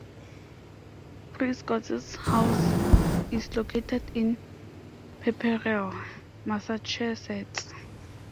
Prescott's house is located in Pepperell, Massachusetts.